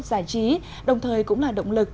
giải trí đồng thời cũng là động lực